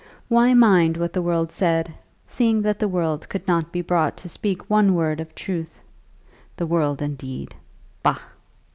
Why mind what the world said, seeing that the world could not be brought to speak one word of truth? The world indeed! Bah!